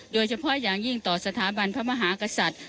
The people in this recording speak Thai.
โดยเฉพาะอย่างยิ่งต่อสถาบันพระมหากษัตริย์